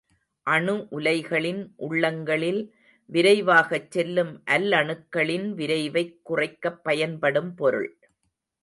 அணு உலைகளின் உள்ளகங்களில் விரைவாகச் செல்லும் அல்லணுக்களின் விரைவைக் குறைக்கப் பயன்படும் பொருள்.